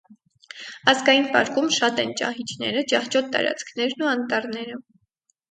Ազգային պարկում շատ են ճահիճները, ճահճոտ տարածքներն ու անտառները։